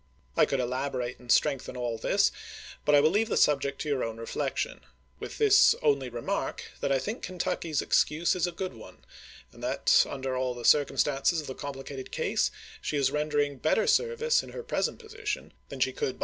I could elaborate and strengthen all this, but I will leave the subject to your own reflection ; with this only remark, that I think Ken tucky's excuse is a good one, and that, under all the cir cumstances of the complicated case, she is rendering better service in her present position than she could by ms.